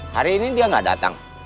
hari ini dia nggak datang